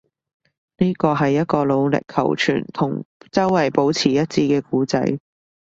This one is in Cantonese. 呢個係一個努力求存，同周圍保持一致嘅故仔